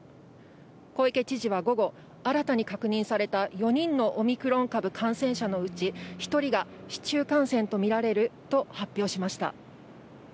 小池知事は午後、新たに確認された４人のオミクロン株感染者のうち、１人が市中感染と見られると発表しました。